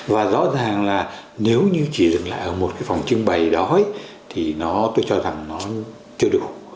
và rõ ràng là nếu như chỉ dừng lại ở một cái phòng trưng bày đó thì nó tôi cho rằng nó chưa đủ